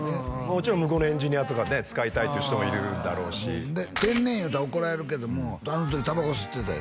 もちろん向こうのエンジニアとかね使いたいって人もいるだろうし天然言うたら怒られるけどもあの時タバコ吸ってたよね？